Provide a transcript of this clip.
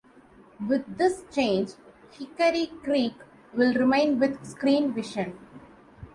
With this change, Hickory Creek will remain with Screenvision.